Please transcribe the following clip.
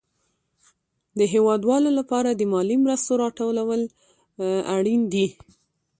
د هېوادوالو لپاره د مالي مرستو راټول اړين دي.